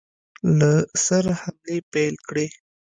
له سره حملې پیل کړې.